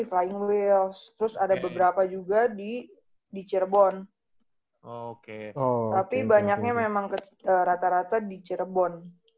flying wills terus ada beberapa juga di di cirebon oke tapi banyaknya memang rata rata di cirebon